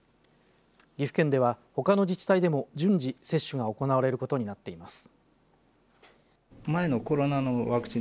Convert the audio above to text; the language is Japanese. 岐阜県ではほかの自治体でも順次接種が行われることになっています。